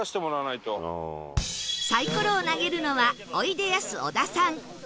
サイコロを投げるのはおいでやす小田さん